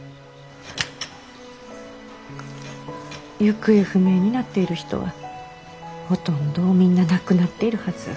行方不明になっている人はほとんどみんな亡くなっているはず。